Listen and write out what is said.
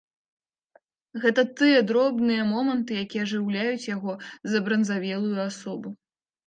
Гэта тыя дробныя моманты, якія ажыўляюць яго забранзавелую асобу.